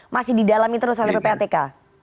masih didalami terus oleh ppatk